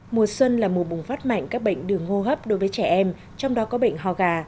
mùa xuân là mùa bùng phát mạnh các bệnh đường hô hấp đối với trẻ em trong đó có bệnh hò gà